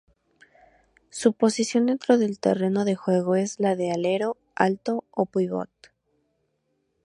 Su posición dentro del terreno de juego es la de alero alto o pívot.